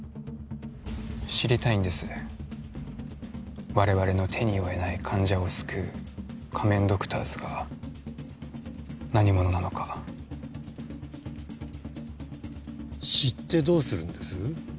知りたいんです我々の手に負えない患者を救う仮面ドクターズが何者なのか知ってどうするんです？